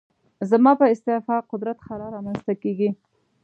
زما په استعفا قدرت خلا رامنځته کېږي.